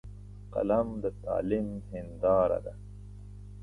قلم د تعلیم هنداره ده